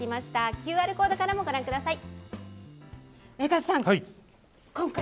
ＱＲコードからもご覧ください。